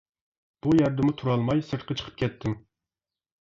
بۇ يەردىمۇ تۇرالماي سىرتقا چىقىپ كەتتىم.